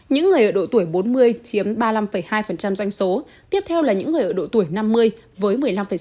những người ở độ tuổi bốn mươi chiếm ba mươi năm hai doanh số tiếp theo là những người ở độ tuổi năm mươi với một mươi năm sáu